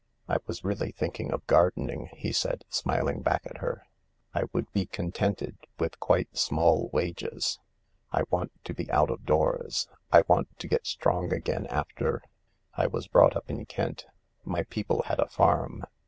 I was really thinking of gardening," he said, smiling back at her. " I would be contented with quite small wages. I want to be out of doors. I want to get strong again after ... I was brought up in Kent. My people had a farm.